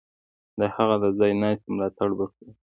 د هغه د ځای ناستي ملاتړ به کوو.